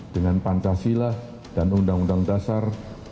dengan pancasila dan undang undang dasar